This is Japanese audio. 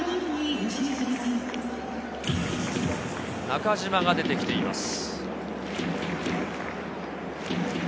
中島が出てきています。